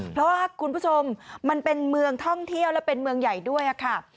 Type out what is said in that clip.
เพราะว่าคุณผู้ชมมันเป็นเมืองท่องเที่ยวและเป็นเมืองใหญ่ด้วยค่ะ